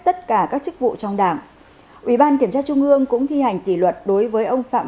tất cả các chức vụ trong đảng ủy ban kiểm tra trung ương cũng thi hành kỷ luật đối với ông phạm